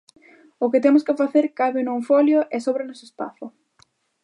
O que temos que facer cabe nun folio e sóbranos espazo.